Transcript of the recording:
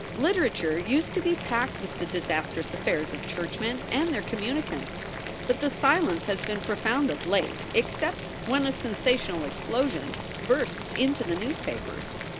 Literature used to be packed with the disastrous affairs of churchmen and their communicants, but the silence has been profound of late, except when a sensational explosion bursts into the newspapers.